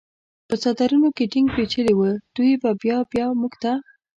په څادرونو کې ټینګ پېچلي و، دوی بیا بیا موږ ته.